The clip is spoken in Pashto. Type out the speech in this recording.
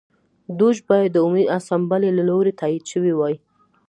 دوج باید د عمومي اسامبلې له لوري تایید شوی وای.